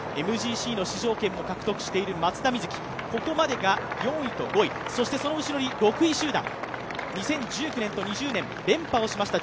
ＭＧＣの出場権も獲得している松田瑞生、ここまでが４位と５位、そして、後ろに６位集団、２０１９年と２０２０年、連覇をしました